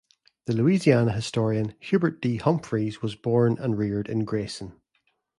The Louisiana historian Hubert D. Humphreys was born and reared in Grayson.